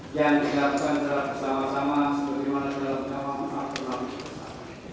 dan dijatuhkan secara bersama sama seperti mana terdakwa kasus korupsi